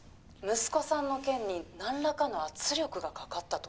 息子さんの件に何らかの圧力がかかったと？